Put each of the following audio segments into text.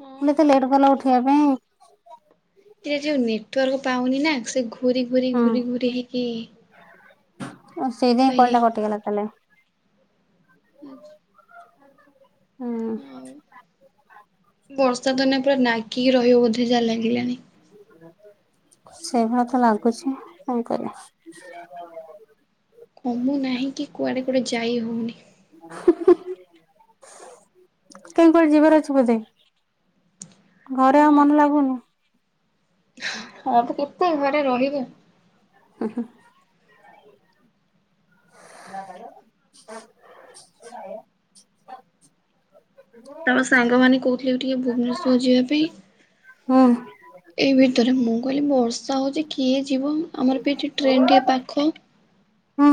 ହଁ କହିଲେ ଏତେ ଲେଟ୍ କଲ ଉଠିବା ପାଇଁ କେ ଯଉ ନେ ନେଟୱର୍କ ପାଉନି ନା ସେ ଘୁରି ଘୁରି ଘୁରି ହୁଁ ଘୁ ହେଇକି। ସେଇଦିପାଇଁ ପାଇ କଲଟା କଟିଗଲା ତାହେଲେ ଆଛା। ହୁଁ ଉଁ ବର୍ଷା ଦିନେ ପୁରା ନାଗିକି ରହିବ ବୋଧେ ଯା ଲାଗିଲାଣି। [inaudible] ସେଇଭଳି ତ ଲାଗୁଛି କଣ କରିବା। କମୁ ନାହିଁ କି କୁଆଡେ ଗୋଟେ ଯାଇ ହଉନି। କାଇଁ କୁଆଡେ ଯିବାର ଅଛି ବୋଧେ? ଘରେ ଆଉ ହଁ ମନ ଲାଗୁନି। ହଁ ତ କେତେ ଘରେ ରହିବେ? ଉଁ ହୁଁ। [unintelligible] ତମ ସାଙ୍ଗମାନେ କହୁଥିଲେ ଟିକେ ଭୁବନେଶ୍ଵର ଯିବା ପାଇଁ। ହୁଁ ଏଇ ଭିତରେ ମୁଁ କହିଲି ବର୍ଷା ହଉଛି କିଏ ଯିବ? ଆମରବି ଏଠି ଟ୍ରେନ୍ ଟିକିଏ ପାଖ। ହୁଁ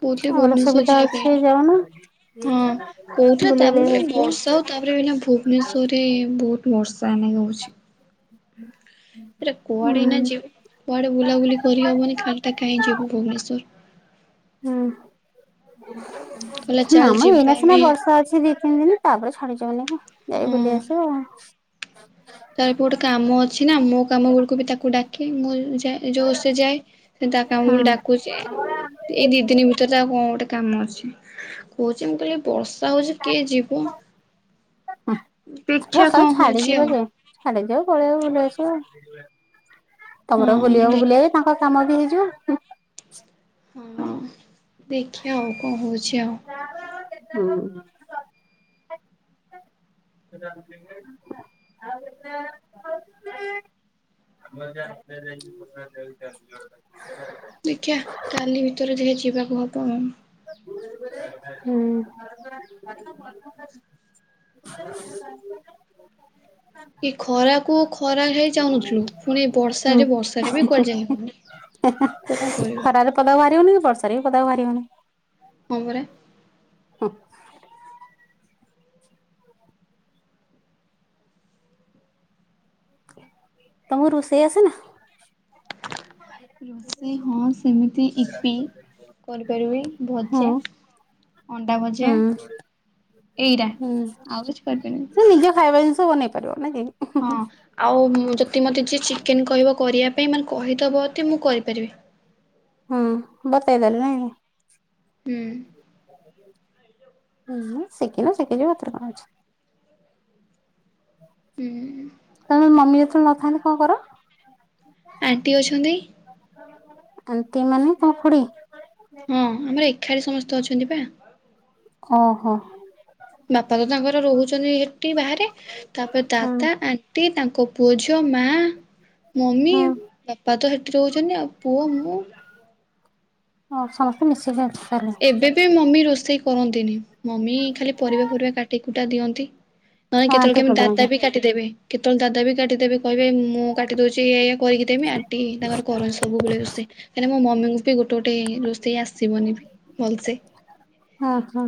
କହୁଥିଲେ ଭୁବନେଶ୍ୱର ସୁବିଧା ଯିବା ପାଇଁ। ଅଛି ଯାଉନ। ହଁ କୋଉଠା ବୁଲି ତାପରେ ବୁଲାକି କହିଲେ ବର୍ଷା ଆସିବ। ହଉ ତାପରେ ଏଇନେ ଭୁବନେଶ୍ୱର ରେ ବହୁତ ବର୍ଷା ଏଇନେ କେ ହଉଛି। [inaudible] ତାପରେ କୁଆଡେ ଏଇନା ହୁଁ। ଯିବୁ। କୁଆଡେ ବୁଲାବୁଲି କରିହବନି ଖାଲିଟା କାହିଁ ଯିବୁ ଭୁବନେଶ୍ଵର। ହୁଁ। କହିଲା ଚାଲ ନା ମ ଯିବା ଏଇନା ଆମେ ସିନା ବର୍ଷା ଅଛି ଦି ତିନି ଦିନି ତାପରେ ଛାଡିଯିବନି କି? ଯାଇ ବୁଲିଆସିବ ଆଉ। ତ ଏବେ ଗୋଟେ କାମ ଅଛି ନା ମୋ କାମ ବେଳ କୁ ବି ତାକୁ ଡାକେ ମୁଁ ଯାଏ ଏ ସେ ଯୋଉ ଯାଏ। ସେ ତା କାମ ବେଳ କୁ ହୁଁ ଡାକୁଚି ଏଇ ଦି ଦିନ ଭିତରେ ତା ହଁ ଗୋଟେ କାମ ଅଛି। କହୁଛି ମୁଁ କହିଲି ବର୍ଷା ହଉଛି କିଏ ଯିବ। ଦେଖିବା କଣ ବର୍ଷାରେ ହଉଛି ଛାଡିଯିବା ଆଉ। ଯେ। ଛାଡିଯାଉ ପଳେଇବ ବୁଲି ଆସିବା। ତମର ହଁ ବୁଲିବାକୁ ଦେଖ ବୁଲିଇବେ ତାଙ୍କ କାମ ବି ହେଇଯିବ। ହଁ ଦେଖିବା ଆଉ କହୁଛି ଆଉ। ହୁଁ। [unintelligible] [unintelligible] ଦେଖିଆ କାଲି ଭିତରେ ତିକେ ଯିବାକୁ ହବ ଆଉ। ହୁଁ। [unintelligible] ଏ ଖରାକୁ ଖରା ହେଇ ଚାହୁଁନଥିଲୁ। ପୁଣି ଏ ହୁଁ ବର୍ଷାଯେ ବର୍ଷାରେ ବି କୁଆଡ଼େ ଯାଇହବନି। [inaudible] ଖରାରେ ପଦାକୁ ବାହାରି ହଉନି କି ବର୍ଷାରେ ବି ପଦାକୁ ବାହାରି ହଉନି। ହଁ ପରା। [inaudible] ତମକୁ ରୋଷେଇ ଆସେନା? [inaudible] ରୋଷେଇ ହଁ ସେମିତି ଇପି କରିପାରିବି। ହୁଁ ଭଜା। [inaudible] ଭଜା ହୁଁ ଏଇରା ହୁଁ ଆଉ କିଛି କରିପାରିବିନି। ସେ ନିଜେ ଖାଇବା ଜିନିଷ ବନେଇ ପାରିବ। ନା କି? ହଁ ଆଉ ଯଦି ମତେ ଯିଏ ଚିକେନ କହିବ କରିବା ମାନେ କହିଦବ ଯଦି ମୁଁ କରିପାରିବି। ହଁ ବତେଇଦେଲେ ନାଇଁ। ହୁଁ। ହୁଁ ସିକିନ ସିକିଯିବ ହେଥିରେ କଣ ଅଛି। ହୁଁ। ତମେ ମମି ଯେତେବେଳେ ନଥାନ୍ତି କଣ କର? ଆଣ୍ଟି ଅଛନ୍ତି। ଆଣ୍ଟି ମାନେ ତମ ଖୁଡ଼ି? ହଁ ଆମର ଏକାଠି ସମସ୍ତେ ଅଛନ୍ତି ପା। ଓ ହୋ। ବାପା ତ ତାଙ୍କର ରହୁଛନ୍ତି ହେଠି ବାହାରେ। ତାପରେ ହୁଁ ଦାଦା ଆଣ୍ଟି ତାଙ୍କ ପୁଅଝି ମା, ମମି ହୁଁ ବାପା ତ ହେଠି ରହୁଛନ୍ତି। ଆଉ ପୁଅ ମୁଁ। ଅ ହଁ ସମସ୍ତେ ମିଶିକି ତାହେଲେ ଏବେ ବି ମମି ରୋଷେଇ କରନ୍ତିନି। ମମି ଖାଲି ପରିବା ପରିବା କାଟି କୁଟା ଦିଅନ୍ତି। ନହେଲେ ହଁ କେତେବେଳେ ଆଣ୍ଟି କେମିତି ଦାଦା କରିଦିଅନ୍ତି। ବି କାଟିଦେବେ। କେତେବେଳେ ଦାଦା ବି କାଟିଦେବେ। କହିବେ ମୁଁ କାଟିଦଉଚି ଏଇଆ କରିକି ଦେମି ଆଣ୍ଟି ତାଙ୍କର କରନ୍ତି ସବୁବେଳେ ରୋଷଇ। କାଇଁନା ମୋ ମ ମି ଙ୍କୁ ବି ଗୋଟେ ଗୋଟେ ରୋଷେଇ ଆସିବନି ବି। ଭଲସେ। ଓ ହୋ।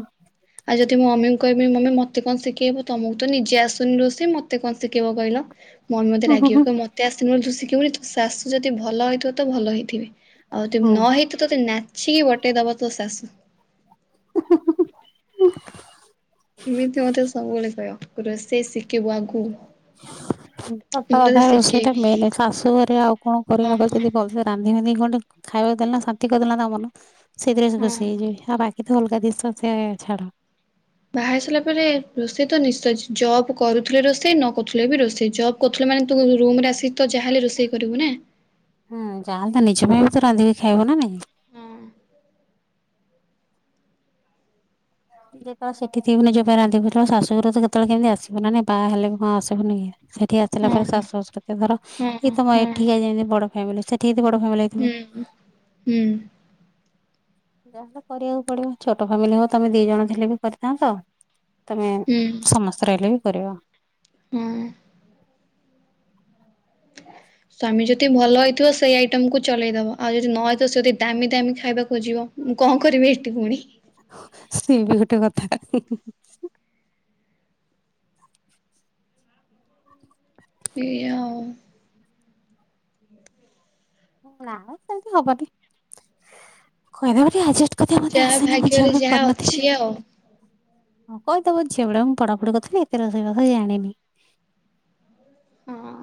ଆଉ ଯଦି ମୋ ମମି ଙ୍କୁ କହିବି ମମି ମତେ କଣ ଶିଖେଇବ ତମକୁ ତ ନିଜେ ଆସୁନି ରୋଷେଇ ମତେ କଣ ଶିଖେଇବ କହିଲ। ମମି ମତେ ହୁଁ ରାଗିବ ହୁଁ କହିବ ମତେ ଆସୁନି ବୋଲି ଶିଖିବୁନି। ଶାଶୁ ଯଦି ଭଲ ହୋଇଥିବ ତ ଭଲ ହେଇଥିବେ ଆଉ ତେ ହୁଁ। ନ ହେଇଥିବ ତତେ ନାଚିକି ବଟେଇ ଦବ ତୋ ଶାଶୁ। ଏମିତି ମତେ ସବୁବେଳେ କହ ରୋଷେଇ ଶିଖିବୁ ଆଗକୁ ସକା ମୁଁ ତତେ କଥା ରୋଷେଇଟା ଶିଖେଇବି। ମେନ ଶାଶୁ ଘରେ ଆଉ କଣ କର ହଁ ନ କରି ଯଦି ଭଲସ ରାନ୍ଧି ବାନ୍ଧି କି ଖାଇବାକୁ ଦେଲେ ନା ଶାନ୍ତି କରିଦେଲା ତା ମନ ସେଇଥିରେ ସେ ହଁ। ଖୁସି ହେଇଯିବି ଆଉ ବା କିନ୍ତୁ ଅଲଗା ଦିଶ ସେଛଡ଼ା ବାହାରି ସାରିଲା ପରେ ରୋଷେଇ ତ ନିଶ୍ଚୟ ଜବ୍ କରୁଥିଲେ ରୋଷେଇ ନ କରୁଥିଲେ ବି ରୋଷେଇ ଜବ୍ କରୁଥିଲେ। େ ତୁ ରୁମ ଆସିିକି ହୁଁ ଯାହାଲେ ନିଜ ପାଇଁ ବି ତ ରାନ୍ଧିକି ଖାଇବ ନା ନାଇଁ। ହୁଁ ଯେତେବେଳେ ସେଠ ଥିବିୋଉବେ ରାଧିବୁେବେଳେ ଶଶୁଘରୁ ତ କେତେବେଳେ କେମିତି ଆସିବ ନା ନାଇ ବା ହେଲେ ବି କଣ ଆସିବନି। ସେଠି ଆସିଲା ପରେ ଶାଶୁର୍ୱଶଵତ ଧର ହଁ ଏଇଏ ହଁ ତ ମ ହଁ ଏଠିକି ଆ ଯେମିତି ବଡ ଫ୍ୟାମିଲି ସେଠି ବଡ଼ ଫ୍ୟମିଲି ଥିବ। ହୁଁ। ଯାହାଲେ କରିବାକୁ ପଡିବ ଛୋଟ ଫ୍ୟାମିଲି ହଉ ତମେ ଦି ଜଣ ଥିଲେ ବି କରିଥାନ୍ତ। ତମେ ହୁଁ ସମସ୍ତେ ରହିଲେ ବି କରିବ। ହଁ। ସ୍ୱାମୀ ଯଦି ଭଲ ହେଇଥିବ ସେଇ ଆଇଟମ କୁ ଚଲେଇଦବା ଆଉ ଯଦି ନହଇଥିବ ସେ ଯଦି ଦାମି ଦାମୀ ଖାଇବା ଖୋଜିବ। ମୁଁ କଣ କରିବେ ଏଠି ପୁଣି। ସ୍ତ୍ରୀ ବି ଗୋଟେ କଥା ଏଆ ସେମତି ହବନି କହିଦେବ କଥା ମତେ ଯାହା ଆସନି ମୁଁ ଝିଅ ଭାଗ୍ୟରେ ବେଳେ ଯାହା କରିନଥିଲି। ଅଛି ଆଉ। ହଁ କହିଦବ ଝିଅ ବେଳେ ମୁ ପାଢପଢି କରୁଥିଲି ଏତେ ରୋଷେଇ ବାସ ଜାଣିନି। ହଁ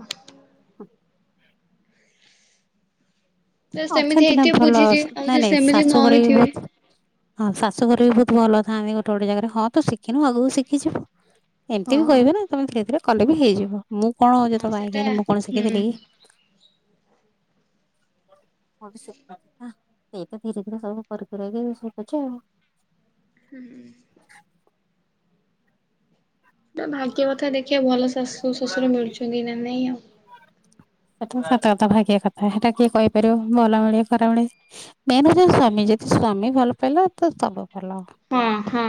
ସେମିତି ଅଛନ୍ତି ନା ହେଇଥିବେ ଭଲ ବୁଝିଛି ଆଉ ନାଇଁ ଯଦି ନାଇଁ ସେମିତି ନ ଶାଶୁଘରେ ହେଇଥିବେ ବହୁତ ହ ଶାଶୁଘ ବି ବହୁତ ଭଲ ଥାନ୍ତି ଗୋଟେ ଗୋଟେ ଜାଗାରେ ହଁ ତ ଶିଖିନୁ ଆଗକୁ ଶିଖିଯିବୁ। ଏମିତି ବି ହଁ। କହିବେ ନା ତମେ ସେଇଥିଲେ କଲେ ବି ହେଇଯିବ। ମୁଁ କଣ ହଉଛି ହଁ ତୋ ପାଇଁାଇ ସେଟା ଖି ମୁଁ କଣ ହୁଁ। ଶିଖେଇଥିଲି କି ମୁଁ ବି ସେ ସେଇ ତ ଧୀରେ ଧୀରେ ସବୁ ପରିକକି ଶିଖୁଛି ଆଉ। ହୁଁ ନା ଭାଗ୍ୟ କଥା ଦେଖିବା ଭଲ ଶାଶୁ ଶ୍ୱଶୁର ମିଳୁଛନ୍ତି ନା ନାଇଁ ଆଉ। ସତ କଥା ଭାଗଆ କଥା ସେଟା କିଏ କହିପାରିବ ଭଲ ମିଳେ ଖରା ମିଳେ ମେନ ହୋଉଛନ୍ତି ସ୍ୱାମୀ ସ୍ୱାମୀ ଭଲ ପାଇଲା ତ ସବୁ ଭଲ। ହଁ ହୁଁ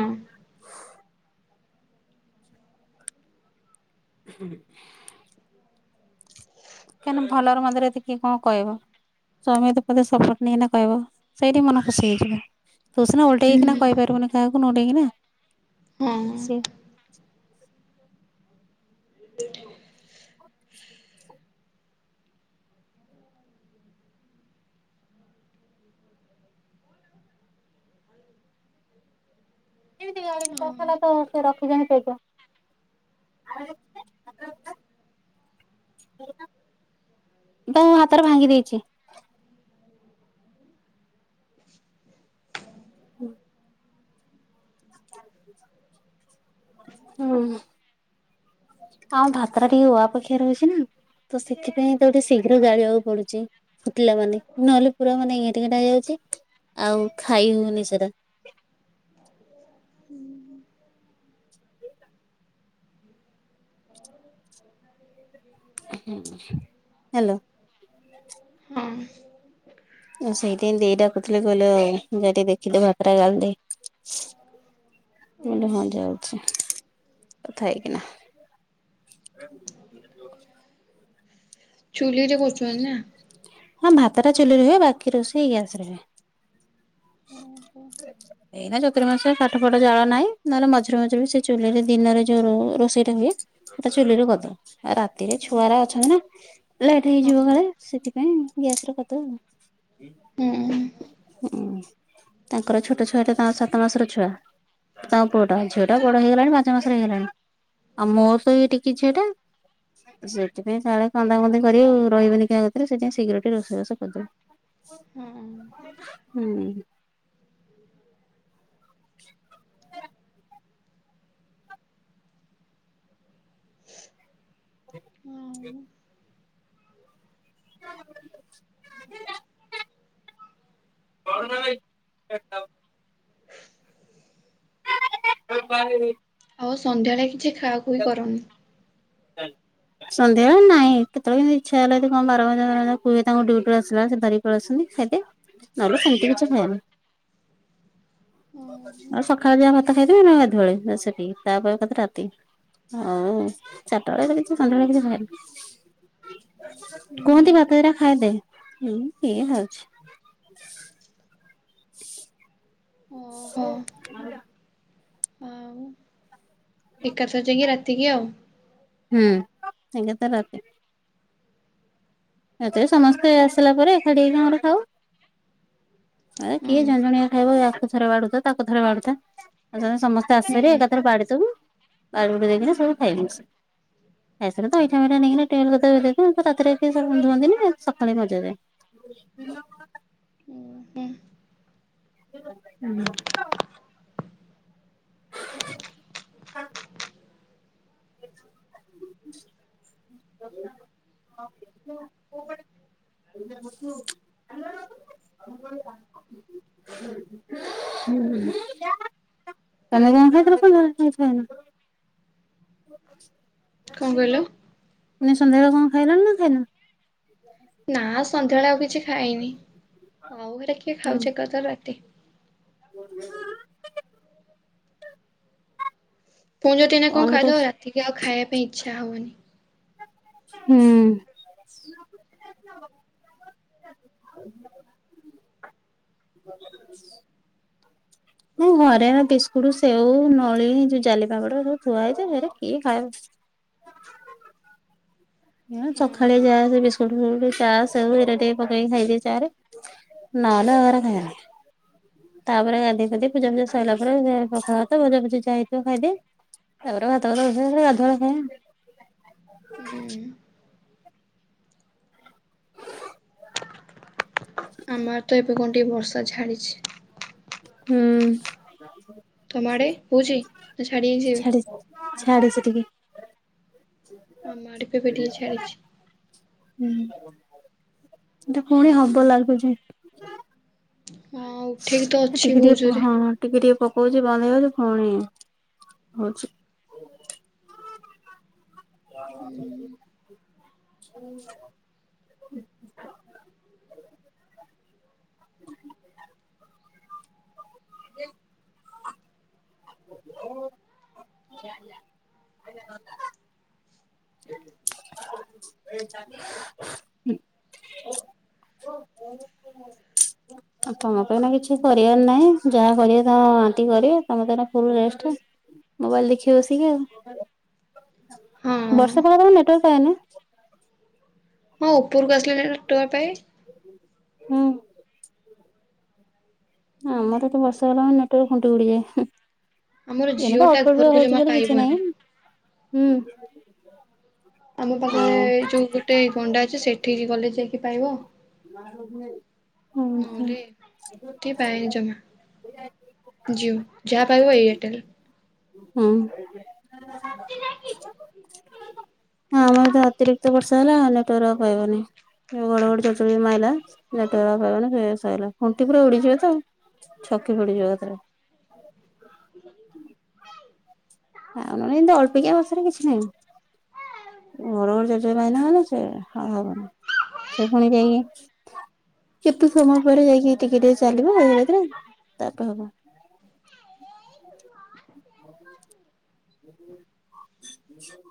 ହ କାହିଁକି ଭଲର ମନ୍ଦରେ କିଏ କଣ କହିବ ସମମେ ତ ପୋଧେ ସପୋର୍ଟ ନେଇନା କହିବ ସେଇଠି ମନ ଖୁସି ହେଇଯିବ। ତୁସ ନାନାଲଟକିନା ହୁଁ କହିପାରିବୁନି କାକୁ ନଣ୍ଡ କି ନା ହଁ। ସେ ଏମିତି ଗାସାରିଲା ତ ସେ ରଖିଛନ୍ତିାଣି ସେ ତ ମୁଁ ହାତରେ ଭାଙ୍ଗି ଦେଇଛି। ହୁଁ ହୁଁ ଆଉ ଭାତ ଟା ଟିକେ ଓ ଅପେକ୍ଷା ରହୁଛି ନା ତ ସେଥିପାଇଁ ତଠି ଶୀଘ୍ର ଗାଳିବାକୁ ପଡୁଛି ଫୁଟିଲା ମାନେ ନହେଲେ ପୁରା ମାନେ ଏଇଣ୍ଟା ହେଇଯାଉଛି। ଆଉ ଖାଇ ହଉନି ସେରା [inaudible] ହାଲୋ ହଁ ସେଇଥି ପାଇଁ ଦେଇ ତାକୁଥିଲେ କହିଲେ ଯୋଟିକେ ଦେଖିଦେ ଭାତ ଟା ଗାଳିଦେ। ବୋଇଲେ ହଁ ଯାଉଛି କଥା ହେଇକିନା। [unintelligible] ଚୁଲିରେ କରୁଛନ୍ତି ନା? ହଁ ଭାତ ଟା ଚୁଲିରେ ହୁଏ। ବାକି ରୋଷେଇ ଗ୍ୟାସ୍ ରେ ହୁଏ। ହଁ। ଏଇନା ଚତୁର ମାସିଆ କାଠ ଫାଠ ଜାଳ ନାହିଁ। ନହେଲେ ମଝିରେ ମଝିରେ ବି ସେଇ ଚୁଲିରେ ଦିନରେ ଯୋଉ ର ରୋଷେଇଟା ହୁଏ। ସେଟା ଚୁଲିରେ କରିଦବ ଆ ରାତିରେ ଛୁଆରା ଅଛନ୍ତି ନା ଲେଟ୍ ହୁଁ ହେଇଯିବ କାଳେ। ସେଥିପାଇଁ ଗ୍ୟାସ୍ ରେ କରିଦଉ। ହୁଁ। ହଁ ତାଙ୍କର ଛୋଟ ଛୁଆଟା ତାଙ୍କ ସାତ ମାସର ଛୁଆ। ତାଙ୍କ ପୁଅଟା ଝିଅଟା ବଡ଼ ହେଇଗଲାଣି ପାଞ୍ଚ ମାସର ହେଇଗଲାଣି। ଆଉ ମୋ ତ ଏଇ ଟିକି ଝିଅଟା। ସେଥିପାଇଁ କାଳେ କନ୍ଦାକନ୍ଦି କରିବେ ରହିବେନି କାହା କତିରେ। ସେଥିପାଇଁ ଶୀଘ୍ର ଟିକେ ରୋଷଇବାସ କରିଦୋଉ। ହୁଁ ହୁଁ। [unintelligible] ହୁଁ [unintelligible] [unintelligible] କହୁନ କାଇଁ [unintelligible] [unintelligible] ଏ ପାରିବି। ଆଉ ସନ୍ଧ୍ୟାବେଳେ କିଛି ଖାଅ ଖୁଇ କରନି? ଚାଲ ସନ୍ଧ୍ୟା ନାଇଁ କେତଳ କେମିତି ଇଛା ହେଲେ ତ କଣ ବାରମଜା ଫାରମଜା କୁହେ ତାଙ୍କୁ ଡ୍ୟୁଟି ରୁ ଆସିଲା ବେଳେ ସେ ଧରିକି ପଳି ଆସନ୍ତି। ଖାଇ ଦିଏ। ନହେଲେ ସେମତି କିଛି ଖାଏନି। [inaudible] ଆଉ ସଖାଳେ ଯାହା ଭାତ ଖାଇଥିବି। ନହେଲେ ଗାଧୁଆ ବେଳେ ଯାହା ସେତିକି। ତାପରେ ଏକାଥରେ ରାତି। ଆଉ ଚାରଟା ବେଳେ କିଛି, ସନ୍ଧ୍ୟାବେଳେ କିଛି ଖାଏନି। କୁହନ୍ତି ଭାତ ଦି ଟା ଖାଇଦେ। ହୁଁ, କିଏ ଖାଉଛି। [unintelligible] ଓହୋ [unintelligible] ଆଉ ଏକାଥରେ ଯାଇକି ରାତିକି ଆଉ। ହୁଁ, ଏକାଥରେ ରାତି। ରାତିରେ ସମସ୍ତେ ଆସିଲା ପରେ ଏକାଠି ହେଇ ସାଙ୍ଗରେ ଖାଉ। [inaudible] ଏ କିଏ ଜଣେ ଜଣିଆ ଖାଇବ ୟାକୁ ଥରେ ବାଢୁଥା ତାକୁ ଥରେ ବାଢୁଥା। ଏକାଥରେ ସମସ୍ତେ ଆସ ସାରିବେ ହୁଁ ଏକାଥରେ ବାଢି ସବୁ ବାଢି ବୁଢି ଦେଇକିନା ସବୁ ଖାଇବୁ ମିଶି। ଖାଇ ସାରିନେ ତ ଅଇଁଠା ମଇଁଠି ନେଇିକିନା ଟିଅଲ କତର ଥୋଇଦଉ ତ ରାତିରେ କି [unintelligible] ଧୁଅନ୍ତିନି ସକାଳେ ମଜାଯାଏ। ହୁଁ ଉଁ, ଆଁ, [inaudible] [unintelligible] [unintelligible] ହୁଁ। ତୋମେ କଣ ଖାଇଥିଲ ସନ୍ଧ୍ୟାବେଳେ? ନା କିଛି ଖାଇନ? କଣ କହିଲ? ମାନେ ସନ୍ଧ୍ୟାବେଳେ କଣ ଖାଇଲଣି ନା ଖାଇନ? ନା ସନ୍ଧ୍ୟାବେଳେ ଆଉ କିଛି ଖାଇନି। ଆଉ ହେରା କିଏ ଖାଉଛି ଏକାଥରେ ରାତି। [unintelligible] ପୁଣି ଯଦି ଏଇନା କଣ ଅନିଟ ଖାଇଦବ ରାତିକି ଆଉ ଖାଇବା ପାଇଁ ଇଚ୍ଛା ହବନି। ହୁଁ। [unintelligible] ହଁ ଘରେ ଆଉ ବିସ୍କୁଟ୍ ସେଉ ନଳି ଯୋଉ ଜାଲିପାମ୍ପଡ ସବୁ ଥୁଆ ହେଇଛି ହେରା କିଏ ଖାଉଛି। [inaudible] ହଁ ସକାଳେ ହୁଁ ଯାଏ ସେ ବିସ୍କୁଟ ସ୍କୁଟ। ଚା ସେଓ ରେ ଟେ ପକେଇକି ଖାଇଦି ଚା ରେ ନହେଲେ ଏଉରା ଖାଏନି। ତାପରେ ଗାଧେଇ ପାଧେଇ ପୂଜା ପୂଜା ସରିଲା ପରେ ପଖାଲ ଭାତ ଭଜା ଭୁଜି ଯା ହେଇଥିବ ଖାଇଦିଏ। ଆ ପରେ ଭାତ ଫତ ବସେଇ ଗାଧୁଆ ବେଳେ ଖାଏ ଆଉ। ହୁଁ! ଆମର ତ ଏବେ କଣ ଟିକେ ବର୍ଷା ଛାଡ଼ିଚି। ହୁଁ! ତମ ଆଡେ ହୋଉଛି ନା ଛାଡୀ ଯାଇଛି ଏବେ। ଛାଡ଼ିଚି ଟିକେ। ଆମ ଆଡେ ବି ଟିକେ ଛାଡିଛି। ହୁଁ! ଏତ ପୁଣି ହବ ଲାଗୁଛି। ହଁ ଉଠେଇକି ତ ସେ ଅଛି ଟିକେ ଟିକେ ବହୁତ ଜୋରେ ହଁ ହଁ ଟିକେ ଟିକେ। ପ ହୋଉଛି ବନ୍ଦ ହେଇଗଲେ ପୁଣି ହୋଉଛି। [unintelligible] ହୁଁ! [unintelligible] [unintelligible] ଏ ଆ [unintelligible] ହୁଁ [unintelligible] ତମ ପାଇଁ ନା କିଛି କରିବାର ନାହିଁ। ଯାହା କରିବେ ତ ଆଣ୍ଟୀ କରିବେ ତମ ତ ଏନା ଫୁଲ ରେଷ୍ଟ। ମୋବାଇଲ ଦେଖିବ ବସିକି ଆଉ। ହଁ। ବର୍ଷା ପାଗ ରେ ନେଟୱାର୍କ ପାଏନା ହଁ ଉପରକୁ ଆସିଲି ଲେ ନେଟୱର୍କ ପାଏ। ହୁଁ! ଆମର ତ ବର୍ଷା ହେଲା ମାନେ ନେଟୱର୍କ ଖୁଣ୍ଟି ଉଡ଼ିଯାଏ। ଆମର ହୁ ଏଇନ ଜିଓ ତ ଟା ଅଳ୍ପ ବି ଘରକୁ ଜମା ହଉଛି ବୋଲି କିଛି ପାଇବନି। ନାହିଁ। ହୁଁ ଆମ ପାଖରେ ଆଉ ଏଇ ଯୋଉ ଗୋଟେ ଗଣ୍ଡା ଅଛି ସେଠିକି ଗଲେ ଯାଇ। ପାଇବ। ହୁଁ ହୁଁ ନହଲେ ଥି ପାଏ ଜମା। ଜିଓ। ଯାହାପାଇବ ଏୟାରଟେଲ। ହୁଁ! ଆମର ତ ଅତିରିକ୍ତ ବର୍ଷା ହେଲା ନେଟୱର୍କ ପାଇବନି। ଘଡ଼ଘଡ଼ି ଚଡଚଡ଼ି ମାଇଲା। ନେଟୱର୍କ ଆଉ ପାଇବନି ସେ ସଇଲା। ଖୁଣ୍ଟି ପୁରା ଉଡିଯିବ ତ ଛକି ଫିଡିଯିବଏକାଥରେ। [inaudible] ହ ମାନେ ଏମିତି ଅଳ୍ପିକିଆ ବର୍ଷା ରେ କିଛି ନାହିଁ। ଘଡ଼ ଘଡ଼ି ଚଡ ଚଡ଼ି ମାଇନା ମାନେ ସଇଲା ହେଲା ଆଉ ହବ ନି ସେ ପୁଣି ଯାଇକି, କେତେ ସମୟ ପରେ ଯାଇକି ଟିକେ ଟିକେ ଚାଲିବ ଏ ରାତିରେ ତାପରେ ହବ। ହ [unintelligible] [unintelligible]